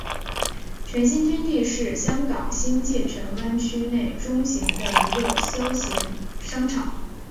荃新天地是香港新界荃湾区内中型的娱乐消闲商场。